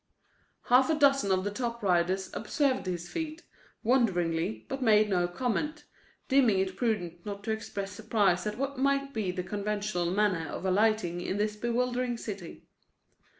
Half a dozen of the top riders observed his feat, wonderingly, but made no comment, deeming it prudent not to express surprise at what might be the conventional manner of alighting in this bewildering city.